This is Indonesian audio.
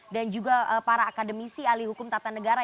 dan juga para akademisi ahli hukum tata negara